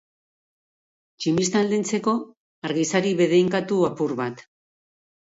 Tximista aldentzeko argizari bedeinkatu apur bat.